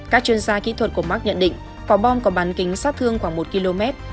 các chuyên gia kỹ thuật của mark nhận định quả bom có bán kính sát thương khoảng một km